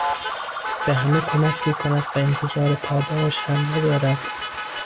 به همه کمک میکند و انتظار پاداش هم ندارد.